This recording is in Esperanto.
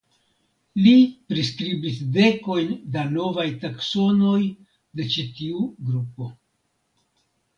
Li priskribis dekojn da novaj taksonoj de ĉi tiu grupo.